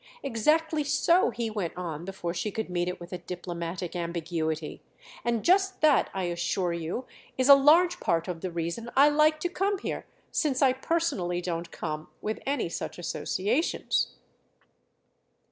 Exactly so," he went on before she could meet it with a diplomatic ambiguity; "and just that, I assure you, is a large part of the reason I like to come here—since I personally don't come with any such associations."